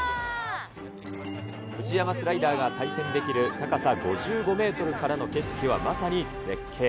フジヤマスライダーが体験できる高さ５５メートルからの景色はまさに絶景。